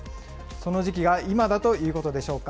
その時期が今だということでしょうか。